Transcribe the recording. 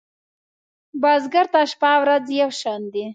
بزګر ته شپه ورځ یو شان دي